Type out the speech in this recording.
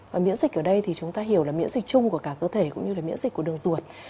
và miễn dịch ở đây thì chúng ta hiểu là miễn dịch chung của cả cơ thể cũng như là miễn dịch của đường ruột